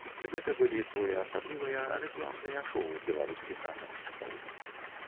Гэта былі своеасаблівыя рэкламныя шоу беларускіх атамшчыкаў.